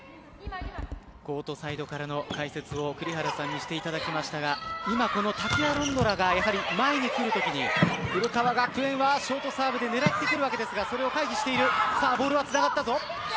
コートサイドからの解説を栗原さんにしていただきましたが今、このタピア・アロンドラが前に来るときに古川学園はショートサーブで狙ってくるわけですがそれを回避している。